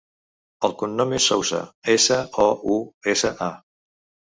El cognom és Sousa: essa, o, u, essa, a.